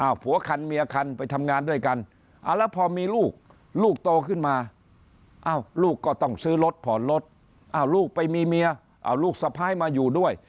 แล้วพอมีลูกลูกโตขึ้นมาลูกก็ต้องซื้อรถผ่อนรถลูกไปมีเมียลูกสะพ้ายมาอยู่ด้วย